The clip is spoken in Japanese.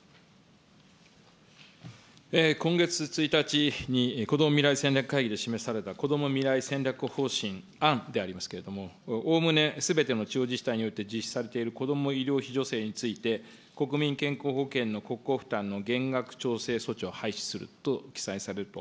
今月１日に、こども未来戦略会議で示されたこども未来戦略方針案でありますけれども、おおむねすべての地方自治体において実施されている子ども医療費助成について、国民健康保険の国庫負担の減額調整措置を廃止すると記載されると。